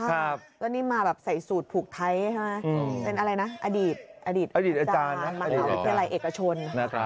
แล้วนี่มาใส่สูตรผูกไทยใช่ไหมเป็นอะไรนะอดีตอาจารย์มาเอาแค่อะไรเอกชน